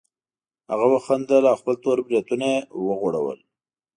هغه وخندل او خپل تور بریتونه یې وغوړول